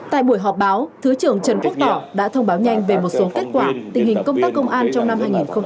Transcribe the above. tại buổi họp báo thứ trưởng trần quốc tỏ đã thông báo nhanh về một số kết quả tình hình công tác công an trong năm hai nghìn hai mươi ba